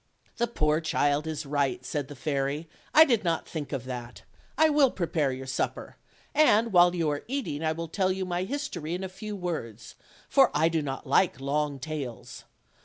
"The poor child is right," said the fairy; "I did not think of that. I will prepare your supper, and while you are eating I will tell you my history in a few words, for I do not like long tales.